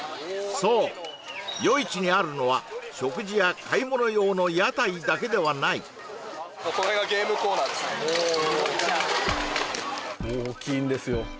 そう夜市にあるのは食事や買い物用の屋台だけではないおお大きいんですよ